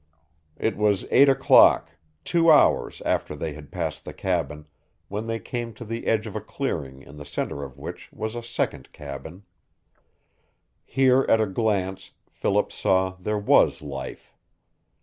It was eight o'clock two hours after they had passed the cabin when they came to the edge of a clearing in the center of which was a second cabin. Here at a glance Philip saw there was life.